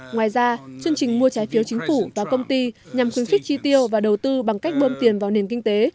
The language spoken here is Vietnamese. ngoài ra chương trình mua trái phiếu chính phủ và công ty nhằm khuyến khích chi tiêu và đầu tư bằng cách bơm tiền vào nền kinh tế